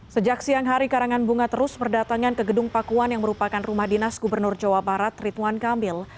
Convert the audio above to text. sejak siang hari karangan bunga terus berdatangan ke gedung pakuan yang merupakan rumah dinas gubernur jawa barat rituan kamil